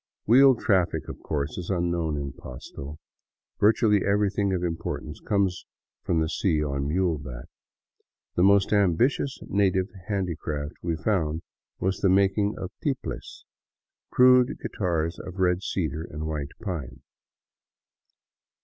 Wheeled traffic, of course, is unknown in Pasto; virtually everything of importance comes up from the sea on muleback. The most ambitious native handicraft we found was the making of tiples, crude guitars of red cedar and white pine.